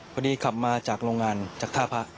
พอดีขับมาจากโรงงานจากท่าพระ